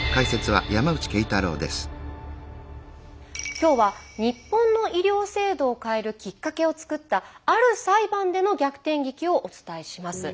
今日は日本の医療制度を変えるきっかけを作ったある裁判での逆転劇をお伝えします。